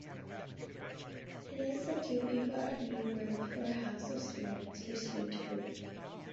It is a Tupi-Guarani word for "house of spirits" or "sweet fruit".